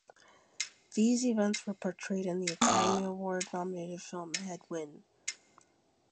These events were portrayed in the Academy Award nominated film "Hedd Wyn".